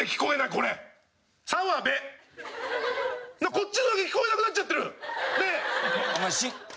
こっちのだけ聞こえなくなっちゃってるねえ。